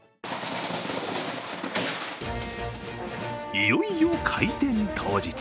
いよいよ開店当日。